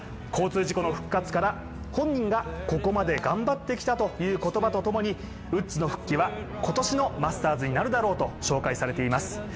交通事故の復活から本人がここまで頑張ってきたという言葉と共にウッズの復帰は今年のマスターズになるだろうと紹介されています。